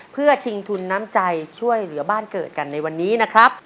เพื่อชิงทุนน้ำใจช่วยเหลือบ้านเกิดกันในวันนี้นะครับ